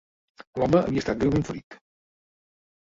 L'home havia estat greument ferit